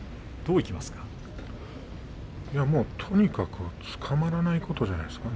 いや、もうとにかくつかまらないことじゃないですか。